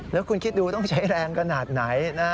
แล้วคุณคิดดูต้องใช้แรงขนาดไหนนะ